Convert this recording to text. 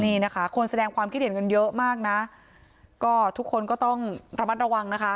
นี่นะคะคนแสดงความคิดเห็นกันเยอะมากนะก็ทุกคนก็ต้องระมัดระวังนะคะ